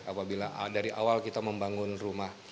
apabila dari awal kita membangun rumah